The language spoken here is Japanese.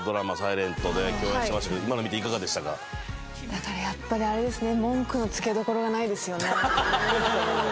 だからやっぱりあれですね